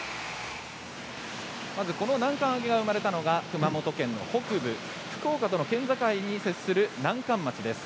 まず、この南関あげが生まれたのが熊本県の北部福岡との県境に位置する南関町です。